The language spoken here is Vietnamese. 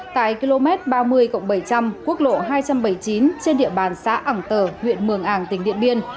tại km ba mươi bảy trăm linh quốc lộ hai trăm bảy mươi chín trên địa bàn xã ảng tờ huyện mường ảng tỉnh điện biên